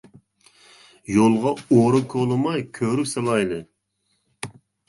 يولغا ئورا كولىماي، كۆۋرۈك سالايلى.